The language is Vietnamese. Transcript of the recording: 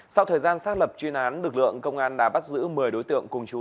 sau thời gian xác lập chuyên án lực lượng công an đã bắt giữ một mươi đối tượng cùng chú